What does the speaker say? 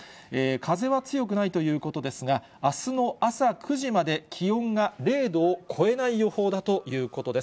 風は強くないということですが、あすの朝９時まで、気温が０度を超えない予報だということです。